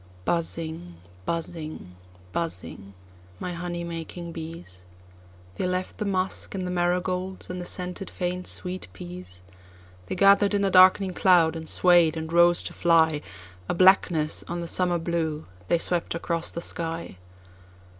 Buzzing, buzzing, buzzing, my honey making bees, They left the musk, and the marigolds and the scented faint sweet peas; They gather'd in a darkening cloud, and sway'd, and rose to fly;A blackness on the summer blue, they swept across the sky.